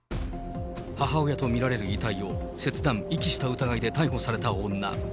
母親と見られる遺体を切断・遺棄した疑いで逮捕された女。